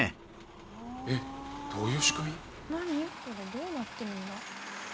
どうなってるんだ？